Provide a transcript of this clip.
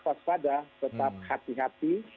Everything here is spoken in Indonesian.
waspada tetap hati hati